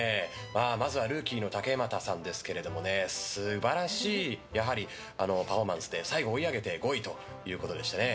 まずはルーキーの竹俣さんですが素晴らしいパフォーマンスで最後追い上げて５位ということでしたね。